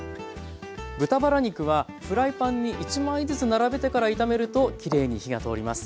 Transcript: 豚バラ肉はフライパンに１枚ずつ並べてから炒めるときれいに火が通ります。